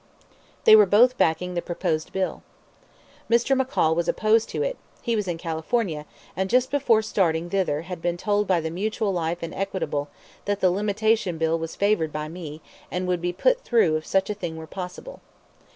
They were both backing the proposed bill. Mr. McCall was opposed to it; he was in California, and just before starting thither he had been told by the Mutual Life and Equitable that the Limitation Bill was favored by me and would be put through if such a thing were possible.